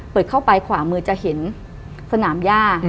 เปิดเข้าไปขวามือจะเห็นสนามย่า